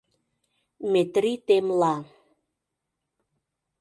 — Метрий темла.